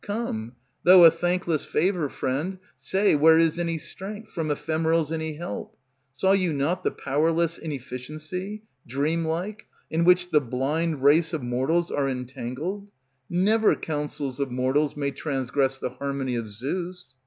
Come, though a thankless Favor, friend, say where is any strength, From ephemerals any help? Saw you not The powerless inefficiency, Dream like, in which the blind ... Race of mortals are entangled? Never counsels of mortals May transgress the harmony of Zeus.